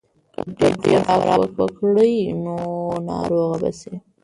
که ډېر خوراک وکړې نو ناروغه به شې.